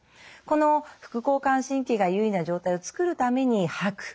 この副交感神経が優位な状態を作るために吐く。